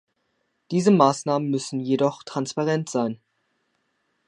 Diese Maßnahmen müssen jedoch transparent sein.